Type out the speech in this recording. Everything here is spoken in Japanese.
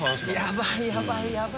ヤバいヤバいヤバい。